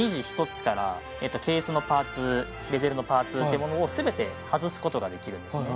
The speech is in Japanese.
１つからケースのパーツベゼルのパーツってものを全て外すことができるんですね